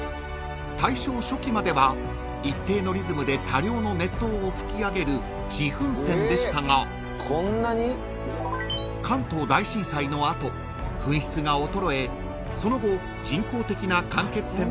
大正初期までは一定のリズムで多量の熱湯を噴き上げる自噴泉でしたが関東大震災の後噴出が衰えその後人工的な間欠泉として再整備］